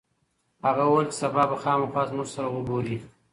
هغه وویل چې سبا به خامخا موږ سره وګوري.